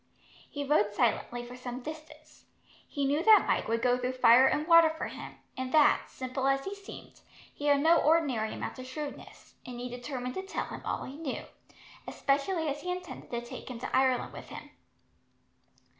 He rode silently for some distance. He knew that Mike would go through fire and water for him, and that, simple as he seemed, he had no ordinary amount of shrewdness; and he determined to tell him all he knew, especially as he intended to take him to Ireland with him.